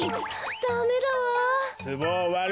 ダメだわ。